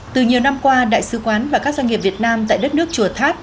từ nhiều năm qua đại sứ quán và các doanh nghiệp việt nam tại đất nước chùa tháp